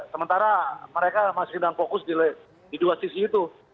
sementara mereka masih sedang fokus di dua sisi itu